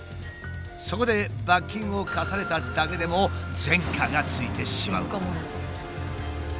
そこで罰金を科されただけでも前科がついてしまうのだ。